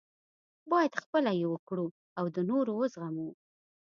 باید خپله یې وکړو او د نورو وزغمو.